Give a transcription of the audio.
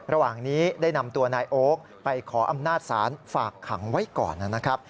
ระหว่างนี้ได้นำตัวนายโอ๊คไปขออำนาจศาลฝากขังไว้ก่อนนะครับ